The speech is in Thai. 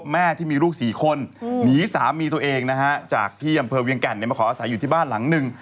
ที่มีลูก๔คนหนีสามีตัวเองนะฮะจากที่อำเภอเวียงแก่นมาขออาศัยอยู่ที่บ้านหลังหนึ่ง